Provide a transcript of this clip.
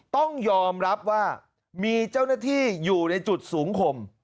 ต้องยอมรับว่ามีเจ้าหน้าที่อยู่ในจุดสูงคม